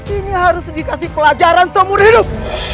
ini harus dikasih pelajaran seumur hidup